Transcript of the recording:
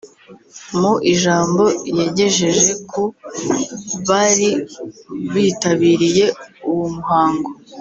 Mu ijambo yagejeje ku bari bitabiriye uwo muhango